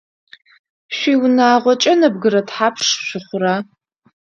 Шъуиунагъокӏэ нэбгырэ тхьапш шъухъура?